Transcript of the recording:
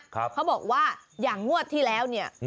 เขาบอกว่าอย่างงวดที่แล้วเนี่ย